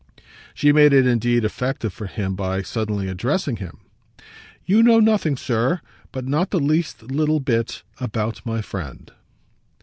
She made it indeed effective for him by suddenly addressing him. "You know nothing, sir but not the least little bit about my friend."